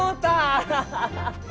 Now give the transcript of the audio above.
アハハハ！